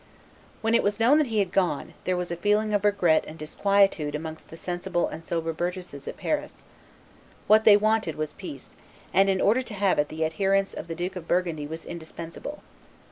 When it was known that he had gone, there was a feeling of regret and disquietude amongst the sensible and sober burgesses at Paris. What they wanted was peace; and in order to have it the adherence of the Duke of Burgundy was indispensable.